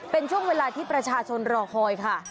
เป็นช่วงเวลาที่ประชาชนรอคอยค่ะ